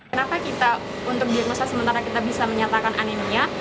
kenapa kita untuk diagnosa sementara kita bisa menyatakan anemia